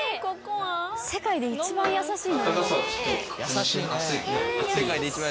世界で一番優しい。